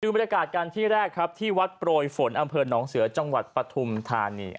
บรรยากาศกันที่แรกครับที่วัดโปรยฝนอำเภอหนองเสือจังหวัดปฐุมธานี